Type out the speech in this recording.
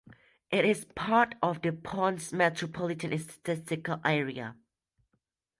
It is part of the Ponce Metropolitan Statistical Area.